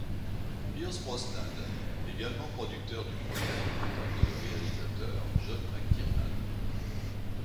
Pierce Brosnan, également producteur du projet, contacte le réalisateur John McTiernan.